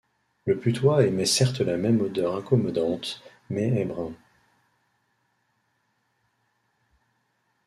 Le putois émet certes la même odeur incommodante, mais est brun.